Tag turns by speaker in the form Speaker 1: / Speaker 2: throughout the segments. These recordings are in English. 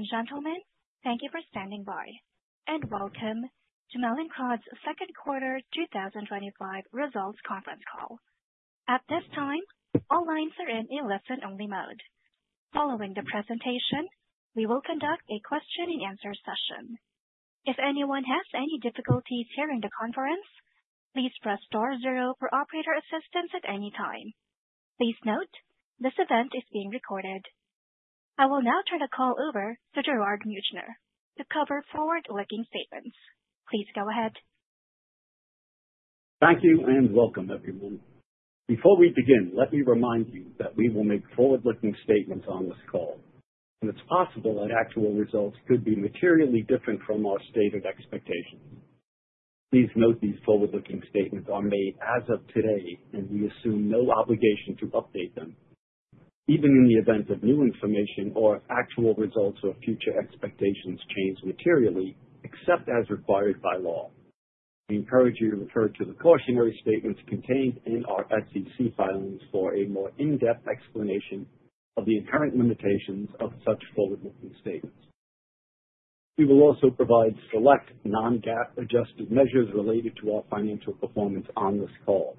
Speaker 1: Ladies and gentlemen, thank you for standing by, and welcome to Mallinckrodt's Second Quarter 2025 Results Conference Call. At this time, all lines are in a listen-only mode. Following the presentation, we will conduct a question-and-answer session. If anyone has any difficulties hearing the conference, please press star zero for operator assistance at any time. Please note, this event is being recorded. I will now turn the call over to Gerard Meuchner to cover forward-looking statements. Please go ahead.
Speaker 2: Thank you and welcome, everyone. Before we begin, let me remind you that we will make forward-looking statements on this call, and it's possible that actual results could be materially different from our stated expectations. Please note these forward-looking statements are made as of today, and we assume no obligation to update them, even in the event that new information or actual results or future expectations change materially, except as required by law. We encourage you to refer to the cautionary statements contained in our SEC filings for a more in-depth explanation of the inherent limitations of such forward-looking statements. We will also provide select non-GAAP adjusted measures related to our financial performance on this call.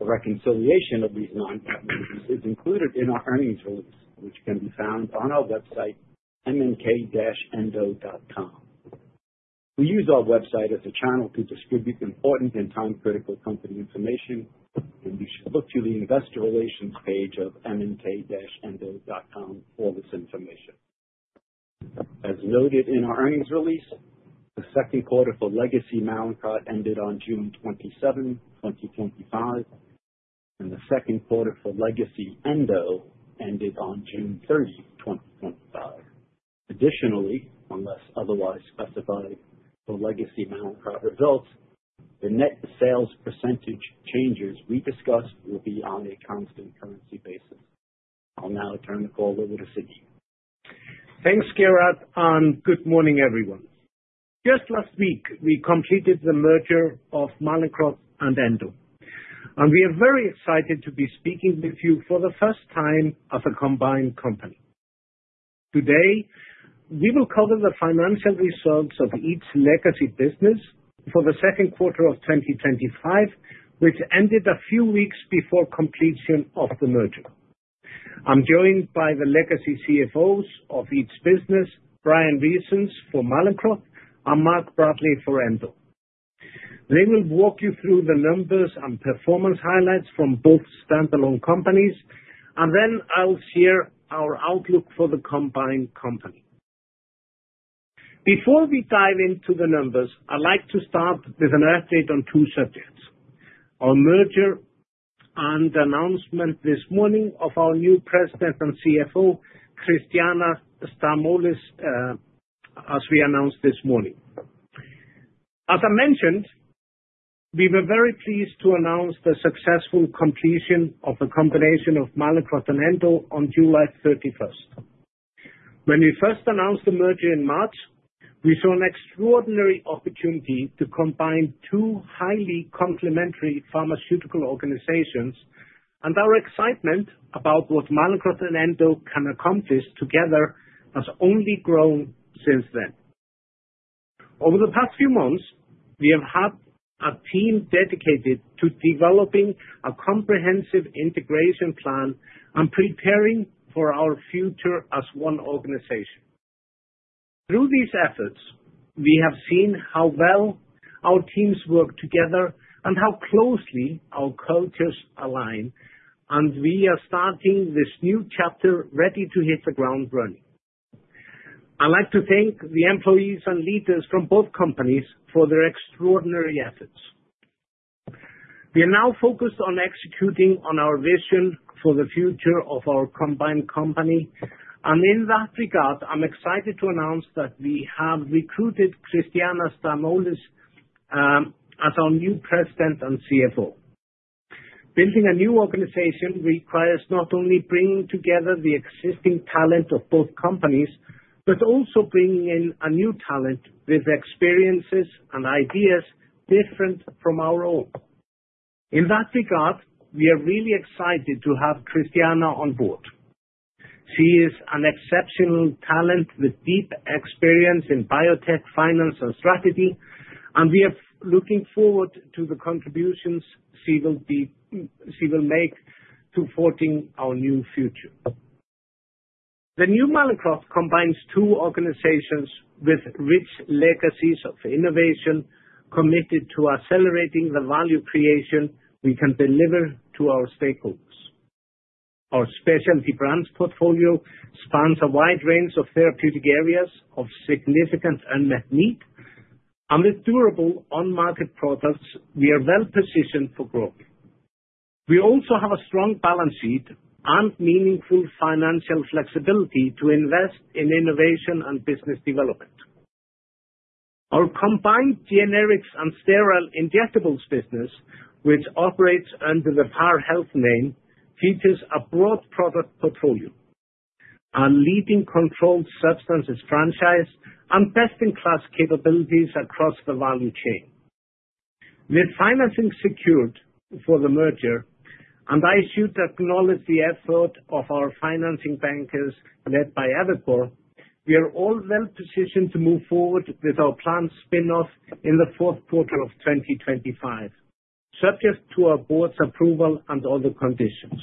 Speaker 2: A reconciliation of these non-GAAP measures is included in our earnings release, which can be found on our website, mnk-endo.com. We use our website as a channel to distribute important and time-critical company information, and you should look to the investor relations page of mnk-endo.com for this information. As noted in our earnings release, the second quarter for legacy Mallinckrodt ended on June 27th, 2025, and the second quarter for legacy Endo ended on June 30th, 2025. Additionally, unless otherwise specified for legacy Mallinckrodt results, the net sales percentage changes we discussed will be on a constant currency basis. I'll now turn the call over to Siggi.
Speaker 3: Thanks, Gerard, and good morning, everyone. Just last week, we completed the merger of Mallinckrodt and Endo, and we are very excited to be speaking with you for the first time as a combined company. Today, we will cover the financial results of each legacy business for the second quarter of 2025, which ended a few weeks before completion of the merger. I'm joined by the legacy CFOs of each business, Bryan Reasons for Mallinckrodt and Mark Bradley for Endo. They will walk you through the numbers and performance highlights from both standalone companies, and then I'll share our outlook for the combined company. Before we dive into the numbers, I'd like to start with an update on two subjects: our merger and the announcement this morning of our new President and CFO, Christiana Stamoulis, as we announced this morning. As I mentioned, we were very pleased to announce the successful completion of the combination of Mallinckrodt and Endo on July 31st. When we first announced the merger in March, we saw an extraordinary opportunity to combine two highly complementary pharmaceutical organizations, and our excitement about what Mallinckrodt and Endo can accomplish together has only grown since then. Over the past few months, we have had a team dedicated to developing a comprehensive integration plan and preparing for our future as one organization. Through these efforts, we have seen how well our teams work together and how closely our cultures align, and we are starting this new chapter ready to hit the ground running. I'd like to thank the employees and leaders from both companies for their extraordinary efforts. We are now focused on executing on our vision for the future of our combined company, and in that regard, I'm excited to announce that we have recruited Christiana Stamoulis as our new President and CFO. Building a new organization requires not only bringing together the existing talent of both companies, but also bringing in new talent with experiences and ideas different from our own. In that regard, we are really excited to have Christiana on board. She is an exceptional talent with deep experience in biotech, finance, and strategy, and we are looking forward to the contributions she will make towards our new future. The new Mallinckrodt combines two organizations with rich legacies of innovation committed to accelerating the value creation we can deliver to our stakeholders. Our specialty brands portfolio spans a wide range of therapeutic areas of significant unmet need, and with durable on-market products, we are well positioned for growth. We also have a strong balance sheet and meaningful financial flexibility to invest in innovation and business development. Our combined generics and sterile injectables business, which operates under the Par Health name, features a broad product portfolio, a leading controlled substances franchise, and best-in-class capabilities across the value chain. With financing secured for the merger, and I should acknowledge the effort of our financing bankers led by Evercore, we are all well positioned to move forward with our planned spin-off in the fourth quarter of 2025, subject to our board's approval and other conditions.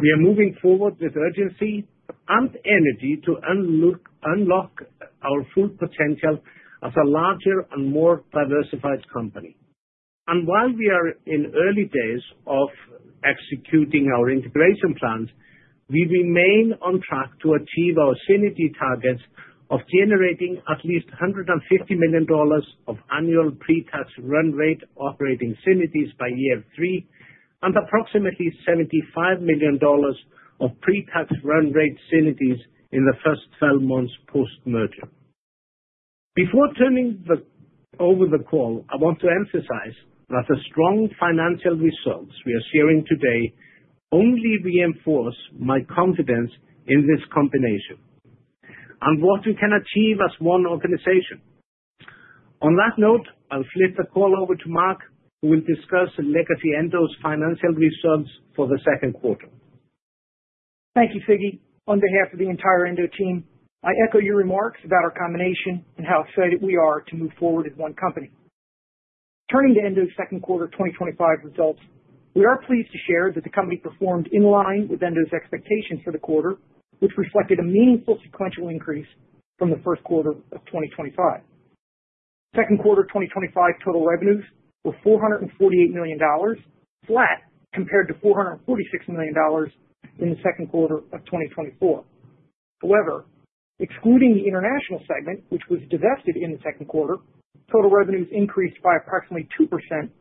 Speaker 3: We are moving forward with urgency and energy to unlock our full potential as a larger and more diversified company. While we are in early days of executing our integration plans, we remain on track to achieve our synergy targets of generating at least $150 million of annual pre-tax run-rate operating synergies by year three and approximately $75 million of pre-tax run-rate synergies in the first 12 months post-merger. Before turning over the call, I want to emphasize that the strong financial results we are sharing today only reinforce my confidence in this combination and what we can achieve as one organization. On that note, I'll flip the call over to Mark, who will discuss legacy Endo's financial results for the second quarter.
Speaker 4: Thank you, Siggi. On behalf of the entire Endo team, I echo your remarks about our combination and how excited we are to move forward as one company. Turning to Endo's second quarter 2025 results, we are pleased to share that the company performed in line with Endo's expectations for the quarter, which reflected a meaningful sequential increase from the first quarter of 2025. Second quarter 2025 total revenues were $448 million, flat compared to $446 million in the second quarter of 2024. However, excluding the international segment, which was divested in the second quarter, total revenues increased by approximately 2%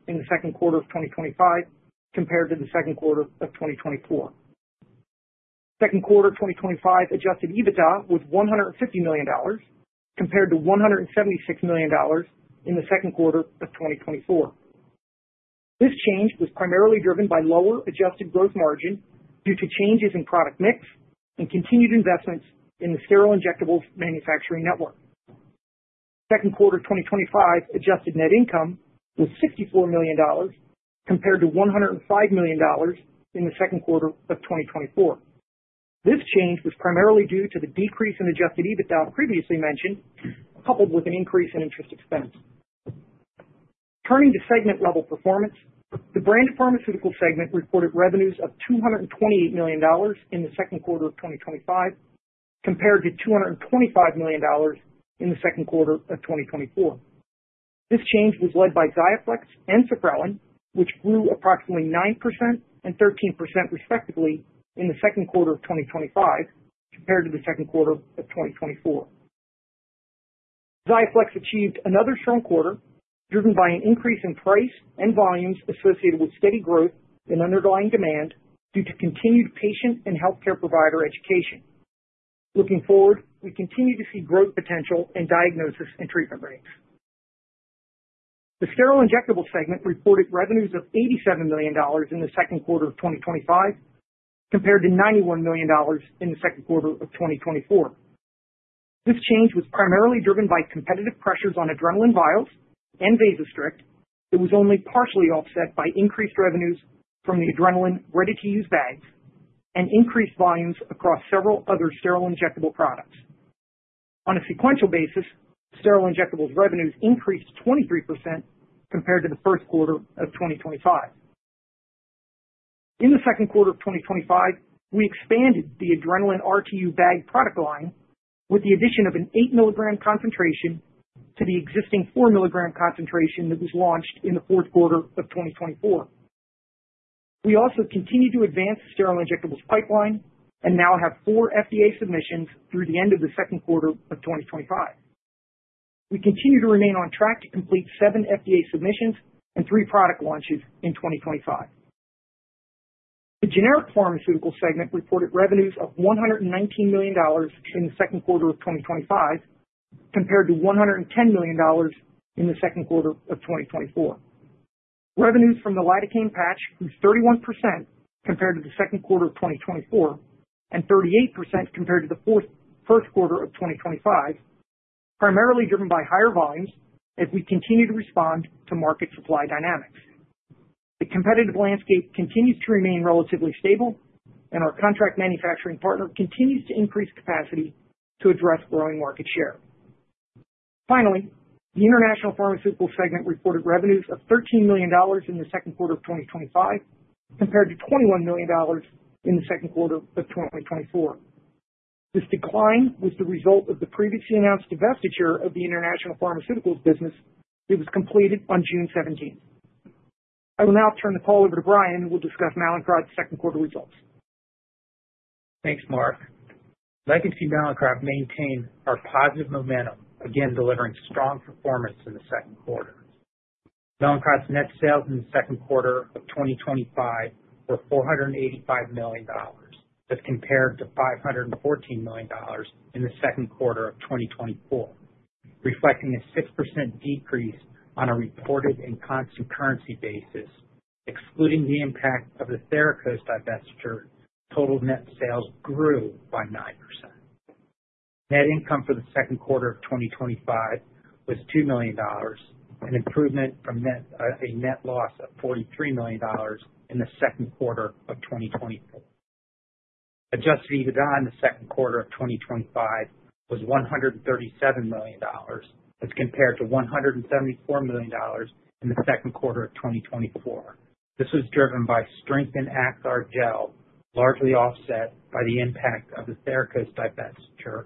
Speaker 4: in the second quarter of 2025 compared to the second quarter of 2024. Second quarter 2025 adjusted EBITDA was $150 million compared to $176 million in the second quarter of 2024. This change was primarily driven by lower adjusted gross margin due to changes in product mix and continued investments in the sterile injectables manufacturing network. Second quarter 2025 adjusted net income was $64 million compared to $105 million in the second quarter of 2024. This change was primarily due to the decrease in adjusted EBITDA previously mentioned, coupled with an increase in interest expense. Turning to segment-level performance, the branded pharmaceutical segment reported revenues of $228 million in the second quarter of 2025 compared to $225 million in the second quarter of 2024. This change was led by XIAFLEX and SUPPRELIN, which grew approximately 9% and 13% respectively in the second quarter of 2025 compared to the second quarter of 2024. XIAFLEX achieved another strong quarter driven by an increase in price and volumes associated with steady growth in underlying demand due to continued patient and healthcare provider education. Looking forward, we continue to see growth potential in diagnosis and treatment rates. The sterile injectables segment reported revenues of $87 million in the second quarter of 2025 compared to $91 million in the second quarter of 2024. This change was primarily driven by competitive pressures on adrenaline vials and Vasostrict. It was only partially offset by increased revenues from the adrenaline ready-to-use bags and increased volumes across several other sterile injectable products. On a sequential basis, sterile injectables revenues increased 23% compared to the first quarter of 2025. In the second quarter of 2025, we expanded the adrenaline RTU bag product line with the addition of an 8 mg concentration to the existing 4 mg concentration that was launched in the fourth quarter of 2024. We also continue to advance the sterile injectables pipeline and now have four FDA submissions through the end of the second quarter of 2025. We continue to remain on track to complete seven FDA submissions and three product launches in 2025. The generic pharmaceutical segment reported revenues of $119 million in the second quarter of 2025 compared to $110 million in the second quarter of 2024. Revenues from the lidocaine patch were 31% compared to the second quarter of 2024 and 38% compared to the first quarter of 2025, primarily driven by higher volumes as we continue to respond to market supply dynamics. The competitive landscape continues to remain relatively stable, and our contract manufacturing partner continues to increase capacity to address growing market share. Finally, the international pharmaceutical segment reported revenues of $13 million in the second quarter of 2025 compared to $21 million in the second quarter of 2024. This decline was the result of the previously announced divestiture of the international pharmaceuticals business that was completed on June 17th. I will now turn the call over to Bryan, who will discuss Mallinckrodt's second quarter results.
Speaker 5: Thanks, Mark. Legacy Mallinckrodt maintained our positive momentum, again delivering strong performance in the second quarter. Mallinckrodt's net sales in the second quarter of 2025 were $485 million, as compared to $514 million in the second quarter of 2024, reflecting a 6% decrease on a reported and constant currency basis. Excluding the impact of the Therakos divestiture, total net sales grew by 9%. Net income for the second quarter of 2025 was $2 million, an improvement from a net loss of $43 million in the second quarter of 2024. Adjusted EBITDA in the second quarter of 2025 was $137 million, as compared to $174 million in the second quarter of 2024. This was driven by strength in Achtar gel, largely offset by the impact of the Therakos divestiture,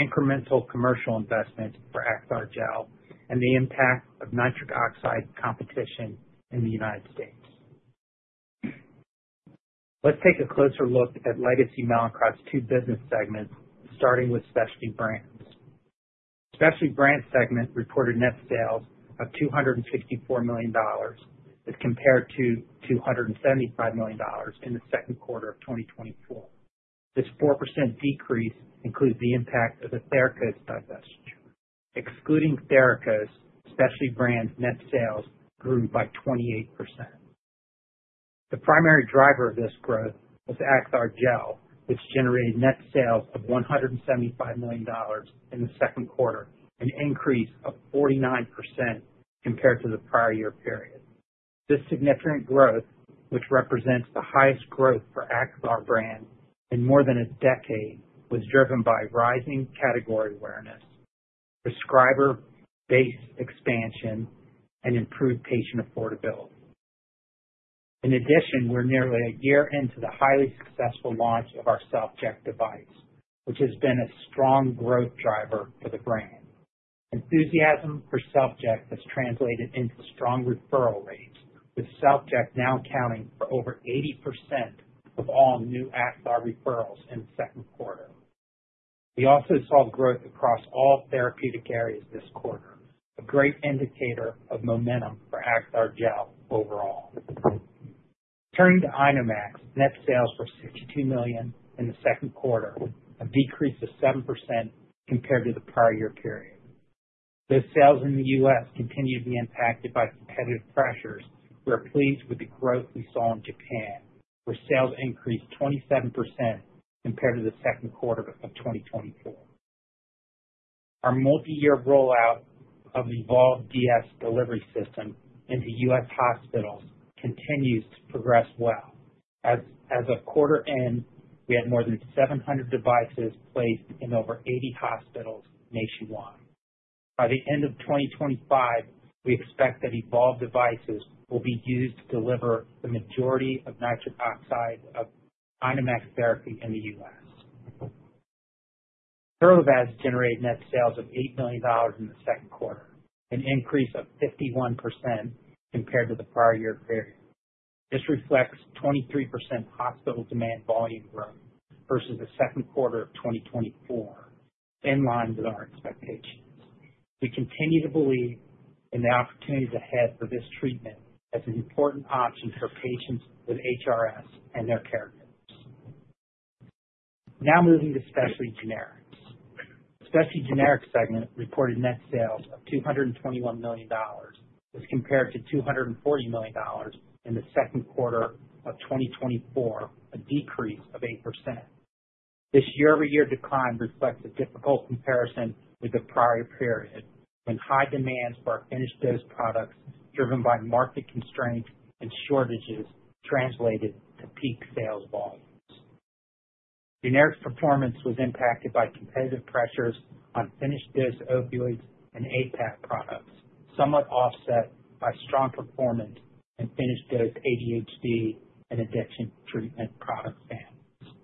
Speaker 5: incremental commercial investments for Achtar gel, and the impact of nitric oxide competition in the U.S. Let's take a closer look at legacy Mallinckrodt's two business segments, starting with specialty brands. The specialty brand segment reported net sales of $264 million, as compared to $275 million in the second quarter of 2024. This 4% decrease includes the impact of the Therakos divestiture. Excluding Therakos, specialty brand net sales grew by 28%. The primary driver of this growth was Achtar gel, which generated net sales of $175 million in the second quarter, an increase of 49% compared to the prior year period. This significant growth, which represents the highest growth for Achtar brand in more than a decade, was driven by rising category awareness, prescriber base expansion, and improved patient affordability. In addition, we're nearly a year into the highly successful launch of our Self-Check device, which has been a strong growth driver for the brand. Enthusiasm for Self-Check has translated into strong referral rates, with Self-Check now accounting for over 80% of all new Achtar referrals in the second quarter. We also saw growth across all therapeutic areas this quarter, a great indicator of momentum for Achtar gel overall. Turning to INOmax, net sales were $62 million in the second quarter, a decrease of 7% compared to the prior year period. Those sales in the U.S. continue to be impacted by competitive pressures. We're pleased with the growth we saw in Japan, where sales increased 27% compared to the second quarter of 2022. Our multi-year rollout of the EVOLVE DS delivery system into U.S. hospitals continues to progress well. As of quarter end, we had more than 700 devices placed in over 80 hospitals nationwide. By the end of 2025, we expect that EVOLVE devices will be used to deliver the majority of nitric oxide for INOmax therapy in the U.S. TERLIVAZ generated net sales of $8 million in the second quarter, an increase of 51% compared to the prior year period. This reflects 23% hospital demand volume growth versus the second quarter of 2024, in line with our expectations. We continue to believe in the opportunities ahead for this treatment as an important option for patients with HRS and their caregivers. Now moving to specialty generics. The specialty generics segment reported net sales of $221 million, as compared to $240 million in the second quarter of 2024, a decrease of 8%. This year-over-year decline reflects a difficult comparison with the prior period, when high demand for our finished dose products, driven by market constraints and shortages, translated to peak sales volumes. Generics performance was impacted by competitive pressures on finished dose opioids and APAP products, somewhat offset by strong performance in finished dose ADHD and addiction treatment product families.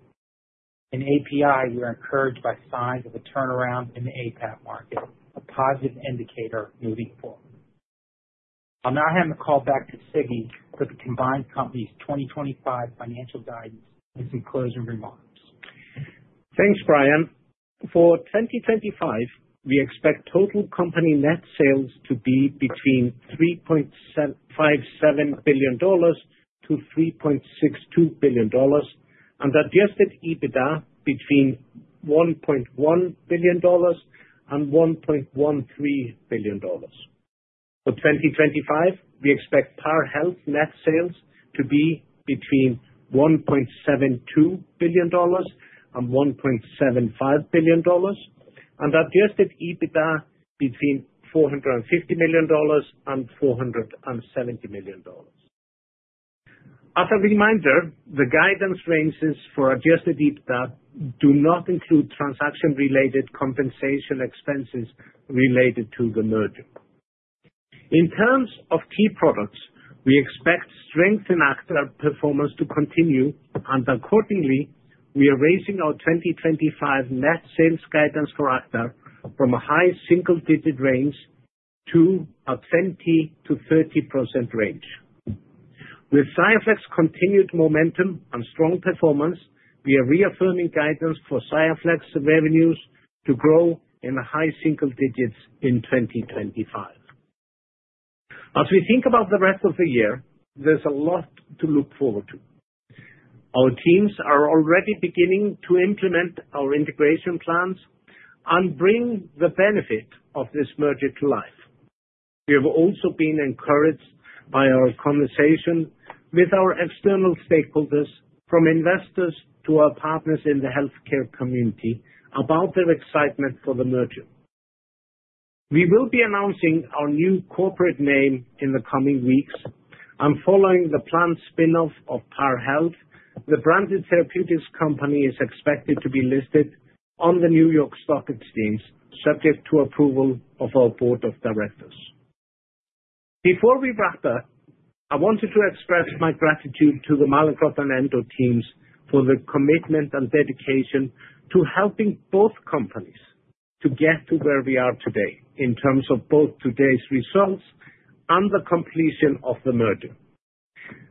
Speaker 5: In API, we are encouraged by signs of a turnaround in the APAP market, a positive indicator moving forward. I'll now hand the call back to Siggi for the combined company's 2025 financial guidance and some closing remarks.
Speaker 3: Thanks, Bryan. For 2025, we expect total company net sales to be between $3.57 billion-$3.62 billion, and adjusted EBITDA between $1.1 billion and $1.13 billion. For 2025, we expect Par Health net sales to be between $1.72 billion and $1.75 billion, and adjusted EBITDA between $450 million and $470 million. As a reminder, the guidance ranges for adjusted EBITDA do not include transaction-related compensation expenses related to the merger. In terms of key products, we expect strength in Achtar gel performance to continue, and accordingly, we are raising our 2025 net sales guidance for Achtar gel from a high single-digit range to a 20%-30% range. With XIAFLEX's continued momentum and strong performance, we are reaffirming guidance for XIAFLEX revenues to grow in the high single digits in 2025. As we think about the rest of the year, there's a lot to look forward to. Our teams are already beginning to implement our integration plans and bring the benefit of this merger to life. We have also been encouraged by our conversation with our external stakeholders, from investors to our partners in the healthcare community, about their excitement for the merger. We will be announcing our new corporate name in the coming weeks, and following the planned spin-off of Par Health, the branded therapeutics company is expected to be listed on the NYSE, subject to approval of our board of directors. Before we wrap up, I wanted to express my gratitude to the Mallinckrodt and Endo teams for the commitment and dedication to helping both companies to get to where we are today in terms of both today's results and the completion of the merger.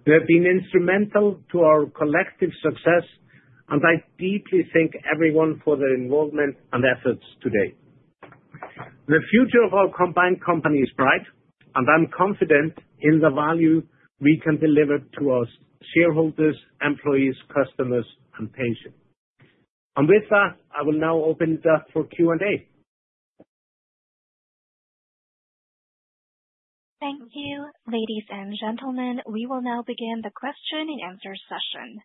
Speaker 3: They have been instrumental to our collective success, and I deeply thank everyone for their involvement and efforts today. The future of our combined company is bright, and I'm confident in the value we can deliver to our shareholders, employees, customers, and patients. I will now open it up for Q&A.
Speaker 1: Thank you, ladies and gentlemen. We will now begin the question-and-answer session.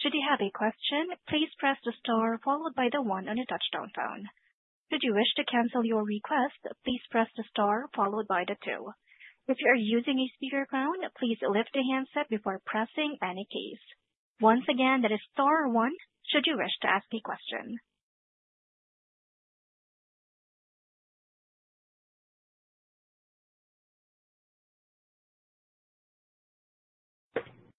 Speaker 1: Should you have a question, please press the star followed by the one on the touch-tone phone. Should you wish to cancel your request, please press the star followed by the two. If you are using a speaker phone, please lift the handset before pressing any keys. Once again, that is star one should you wish to ask a question.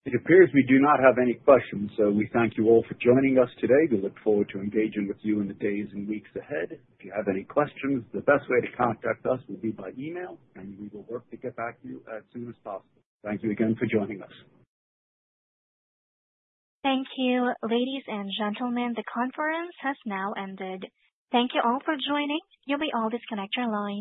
Speaker 2: It appears we do not have any questions, so we thank you all for joining us today. We look forward to engaging with you in the days and weeks ahead. If you have any questions, the best way to contact us would be by email, and we will work to get back to you as soon as possible. Thank you again for joining us.
Speaker 1: Thank you, ladies and gentlemen. The conference has now ended. Thank you all for joining. You'll all be disconnected online.